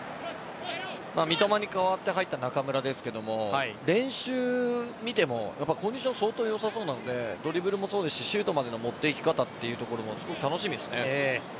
三笘に代わって入った中村ですが練習を見てもコンディション相当良さそうなのでドリブルもそうですしシュートまでの持っていき方というところでも楽しみですよね。